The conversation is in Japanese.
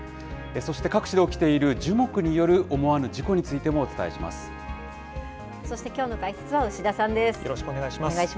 そして各地で起きている樹木による思わぬ事故についてもお伝えしそして、よろしくお願いします。